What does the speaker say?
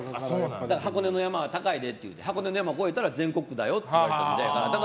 箱根の山は高いでって箱根の山を越えたら全国区だよと言われていて。